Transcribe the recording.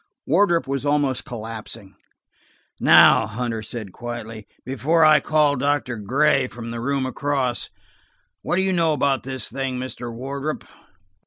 Wardrop was almost collapsing. "Now," Hunter said quietly, "before I call in Doctor Gray from the room across, what do you know about this thing, Mr. Wardrop